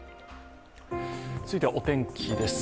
続いてはお天気です。